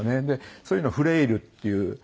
でそういうのフレイルっていう。